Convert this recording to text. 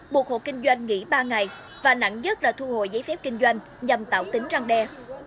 buộc hộ kinh doanh nghỉ ba ngày và nặng nhất là thu hồi giấy phép kinh doanh nhằm tạo tính răng đe